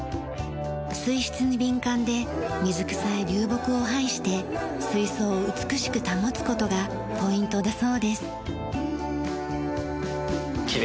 水質に敏感で水草や流木を配して水槽を美しく保つ事がポイントだそうです。